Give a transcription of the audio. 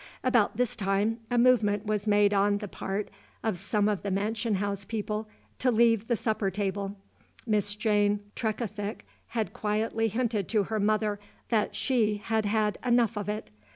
About this time a movement was made on the part of some of the mansion house people to leave the supper table. Miss Jane Trecothick had quietly hinted to her mother that she had had enough of it.